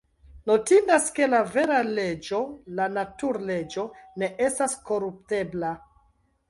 Notindas, ke la vera leĝo, la natur-leĝo, ne estas koruptebla.